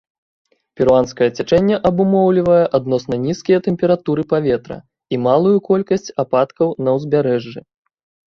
Перуанскае цячэнне абумоўлівае адносна нізкія тэмпературы паветра і малую колькасць ападкаў на ўзбярэжжы.